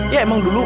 ya emang dulu